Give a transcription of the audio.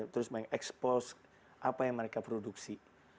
terus mengekspos apa yang mereka produksi